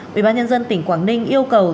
quỹ ban nhân dân tỉnh quảng ninh yêu cầu